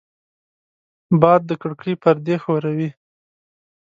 باد د کړکۍ پردې ښوروي